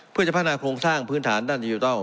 เพื่อจะพัฒนาโครงสร้างพื้นฐานด้านดิจิทัล